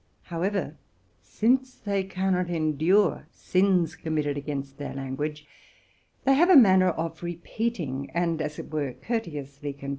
However, since they cannot endure sins committed against their language, they have a manner of repeating, and, as it were, courteously con 3 RELATING TO MY LIFE.